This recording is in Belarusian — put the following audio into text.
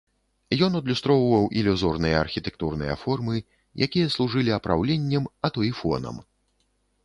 Ён адлюстроўваў ілюзорныя архітэктурныя формы, якія служылі апраўленнем, а то і фонам.